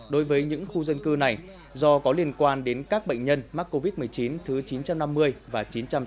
đối với những khu dân cư này do có liên quan đến các bệnh nhân mắc covid một mươi chín thứ chín trăm năm mươi và chín trăm sáu mươi